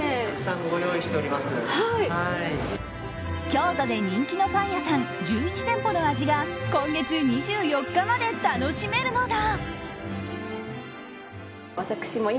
京都で人気のパン屋さん１１店舗の味が今月２４日まで楽しめるのだ。